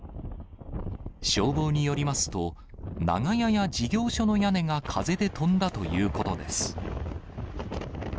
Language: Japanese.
消防によりますと、長屋や事業所の屋根が風で飛んだということです。